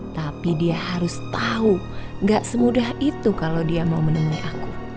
tapi dia harus tahu gak semudah itu kalau dia mau menemui aku